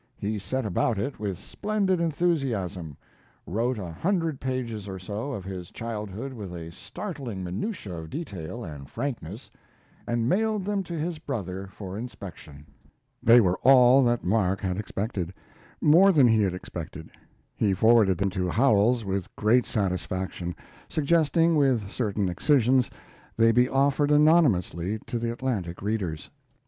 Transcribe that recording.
He set about it with splendid enthusiasm, wrote a hundred pages or so of his childhood with a startling minutia of detail and frankness, and mailed them to his brother for inspection. They were all that Mark Twain had expected; more than he had expected. He forwarded them to Howells with great satisfaction, suggesting, with certain excisions, they be offered anonymously to the Atlantic readers.